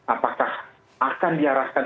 apakah akan diarahkan